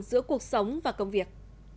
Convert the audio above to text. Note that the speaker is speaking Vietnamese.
giữa cuộc sống và công việc